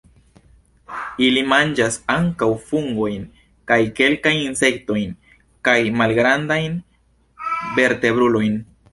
Ili manĝas ankaŭ fungojn, kaj kelkajn insektojn kaj malgrandajn vertebrulojn.